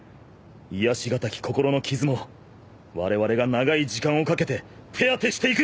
癒やしがたき心の傷もわれわれが長い時間をかけて手当てしていく！